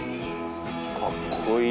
かっこいい。